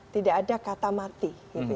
tidak ada kata mati